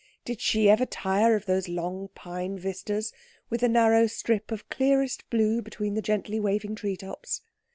Did she ever tire of those long pine vistas, with the narrow strip of clearest blue between the gently waving tree tops?